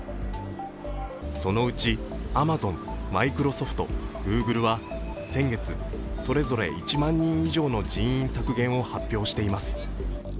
そのうち、アマゾン、マイクロソフト、Ｇｏｏｇｌｅは先月、それぞれ１万人以上の人員削減を発表しています。